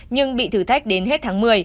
nhưng bị thử thách đến hết tháng một mươi